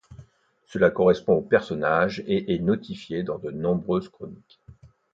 Cela correspond au personnage et est notifié dans de nombreuses chroniques.